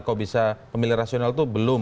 kok bisa pemilih rasional itu belum